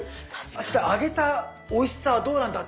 そして揚げたおいしさはどうなんだ